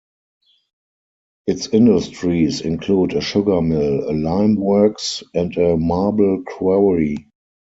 Its industries include a sugar mill, a lime works and a marble quarry.